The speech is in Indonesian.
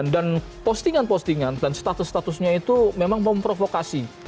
dan postingan postingan dan status statusnya itu memang memprovokasi